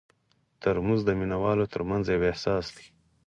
ترموز د مینه والو ترمنځ یو احساس دی.